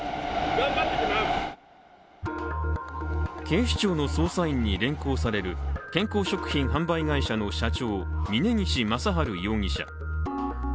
警視庁の捜査員に連行される健康食品販売会社の社長、峯岸正治容疑者。